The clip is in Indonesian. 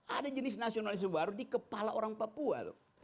ada jenis nasionalisme baru di kepala orang papua